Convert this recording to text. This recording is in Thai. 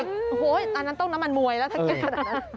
โอ้โหอันนั้นต้องน้ำมันมวยแล้วถ้าเก่งขนาดนั้น